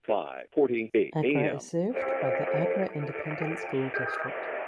Agra is served by the Agra Independent School District.